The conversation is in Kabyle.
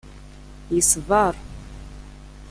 Yeṣber.